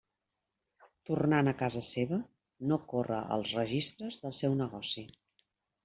Tornat a casa seva, no corre als registres del seu negoci.